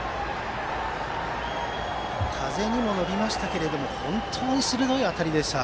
風にも乗りましたが本当に鋭い当たりでした。